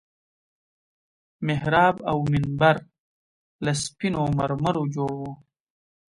محراب او منبر له سپينو مرمرو جوړ وو.